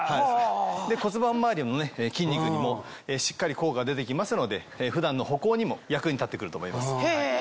骨盤周りの筋肉にもしっかり効果が出て来ますので普段の歩行にも役に立って来ると思います。